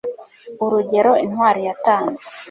urugero intwari yatanze